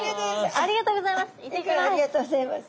ありがとうございます。